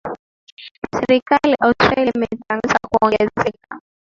serikali australia ametangaza kuongezeka